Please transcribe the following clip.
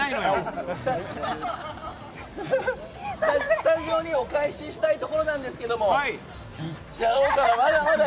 スタジオにお返ししたいところなんですけどまだまだ行っちゃおうかな！